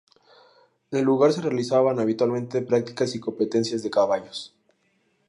En el lugar se realizan habitualmente practicas y competencias de caballos.